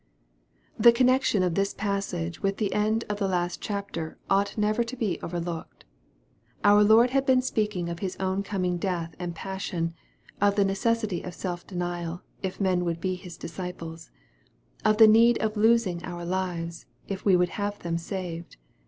/74 EXPOSITORY THOUGHTS. THE connection of this passage with the end of the last chapter ought never to be overlooked. Our Lord had been speakimg of His own coming death and passion of the necessity of self denial, if men would be His disciples of the need of losing our lives, if we would have them saved.